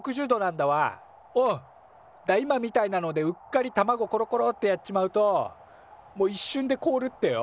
だっ今みたいなのでうっかり卵コロコロってやっちまうともういっしゅんでこおるってよ。